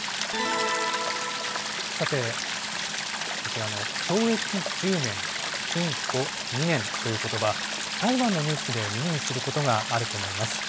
さて、こちらの懲役１０年、禁錮２年ということば、裁判のニュースで耳にすることがあると思います。